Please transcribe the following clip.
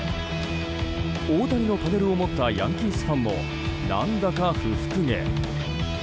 大谷のパネルを持ったヤンキースファンも何だか不服げ。